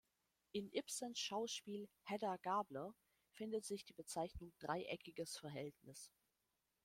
In Ibsens Schauspiel "Hedda Gabler" findet sich die Bezeichnung „Dreieckiges Verhältnis“.